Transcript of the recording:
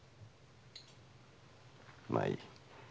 まあいい。